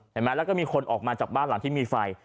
เห็นไหมแล้วก็มีคนออกมาจากบ้านหลังที่มีไฟ